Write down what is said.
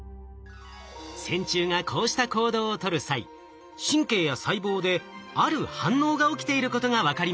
線虫がこうした行動を取る際神経や細胞である反応が起きていることが分かりました。